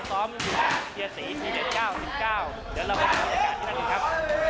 ซ้อมอยู่ที่เกียรติ๔๗๙๙เดี๋ยวเราพูดกันอีกนัดหนึ่งครับ